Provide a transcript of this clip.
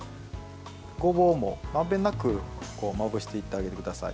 ごぼうも、まんべんなくまぶしていってあげてください。